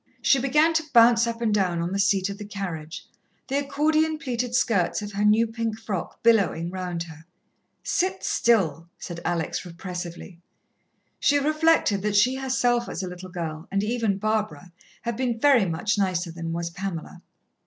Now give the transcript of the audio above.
She began to bounce up and down on the seat of the carriage, the accordion pleated skirts of her new pink frock billowing round her. "Sit still," said Alex repressively. She reflected that she herself as a little girl, and even Barbara, had been very much nicer than was Pamela.